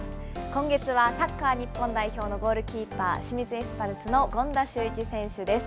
今月はサッカー日本代表のゴールキーパー、清水エスパルスの権田修一選手です。